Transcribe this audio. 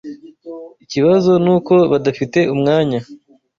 Ikibazo nuko badafite umwanya.